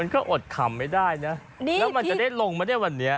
ก็อดขำไม่ได้นะแล้วมันจะได้ลงมาได้วันนี้